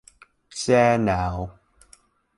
Xe nào